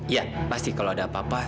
ya pasti kalau ada apa apa